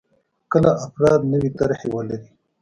کله افراد نوې طرحې ولري.